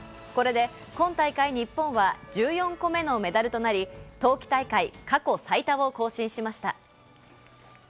これで今大会日本は１４個目のメダルとなり、冬季大会過去最多を更新しました。